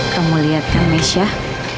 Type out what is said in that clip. kamu lihat kan mesyah